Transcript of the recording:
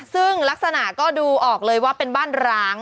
ซึ่งลักษณะก็ดูออกเลยว่าเป็นบ้านร้าง